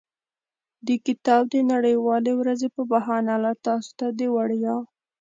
د کتاب د نړیوالې ورځې په بهانه له تاسو ته د وړیا.